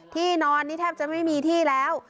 ที่นอนนี่แทบจะไม่มีที่แล้ว